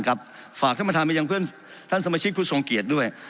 ฝากท่านพระมนาฐานมาอย่างเพื่อนท่านสมาชิกพุษงกิจด้วย